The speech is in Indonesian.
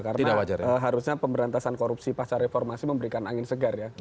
karena harusnya pemberantasan korupsi pasal reformasi memberikan angin segar ya